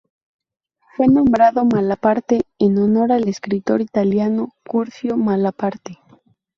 Fue nombrado Malaparte en honor al escritor italiano Curzio Malaparte.